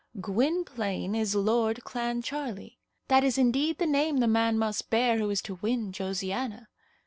Gwynplaine is Lord Clancharlie. That is indeed the name the man must bear who is to win Josiana.